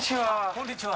こんにちは。